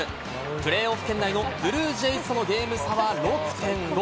プレーオフ圏内のブルージェイズとのゲーム差は６．５。